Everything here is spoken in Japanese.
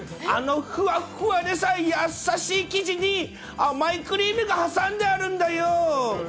あのふわふわでさ、優しい生地に、甘いクリームが挟んであるんだよ。